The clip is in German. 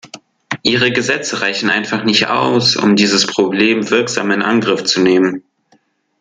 Ihre Gesetze reichen einfach nicht aus, um dieses Problem wirksam in Angriff zu nehmen.